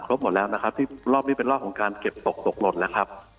หมดแล้วนะครับที่รอบนี้เป็นรอบของการเก็บตกตกหล่นแล้วครับ